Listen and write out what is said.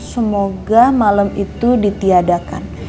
semoga malam itu ditiadakan